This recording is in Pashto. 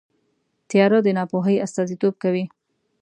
تیاره د ناپوهۍ استازیتوب کوي.